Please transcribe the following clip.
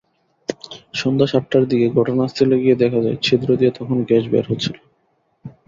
সন্ধ্যা সাতটার দিকে ঘটনাস্থলে গিয়ে দেখা যায়, ছিদ্র দিয়ে তখনো গ্যাস বের হচ্ছিল।